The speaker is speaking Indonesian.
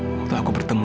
waktu aku bertemu